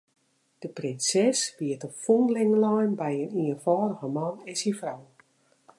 De prinses wie te fûnling lein by in ienfâldige man en syn frou.